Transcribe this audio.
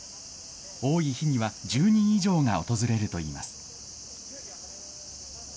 多い日には１０人以上が訪れるといいます。